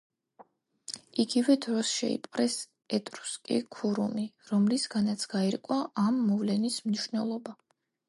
იგივე დროს შეიპყრეს ეტრუსკი ქურუმი, რომლისგანაც გაირკვა ამ მოვლენის მნიშვნელობა.